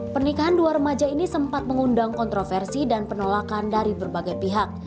pernikahan dua remaja ini sempat mengundang kontroversi dan penolakan dari berbagai pihak